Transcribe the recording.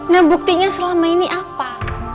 nah buktinya selama ini apa